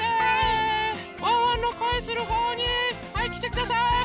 ワンワンのこえするほうにはいきてください！